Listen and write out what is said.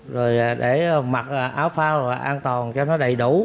rồi để mặc áo phao an toàn cho nó đầy đủ